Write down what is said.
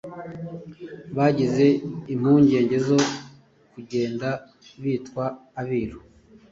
bagize impungenge zo kugenda bitwa Abiru.